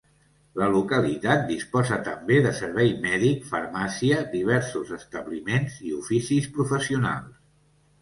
La localitat disposa també de servei mèdic, farmàcia, diversos establiments i oficis professionals.